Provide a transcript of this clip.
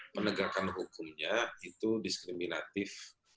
menegakkan hukumnya itu diskriminatif